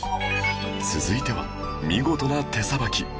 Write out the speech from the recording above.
続いては見事な手さばき！